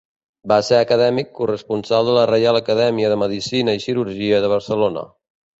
Va ser acadèmic corresponsal de la Reial Acadèmia de Medicina i Cirurgia de Barcelona.